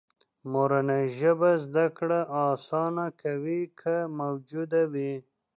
مورنۍ ژبه زده کړه آسانه کوي، که موجوده وي.